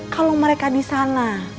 kalau mereka disana